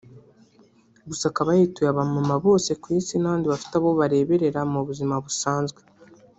gusa akaba yayituye abamama bose ku isi n'abandi bafite abo bareberera mu buzima busanzwe